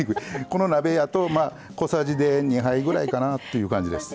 この鍋やとまあ小さじで２杯ぐらいかなっていう感じです。